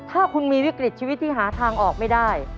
ถ้าคุณมีวิกฤตชีวิตที่หาทางออกไม่ได้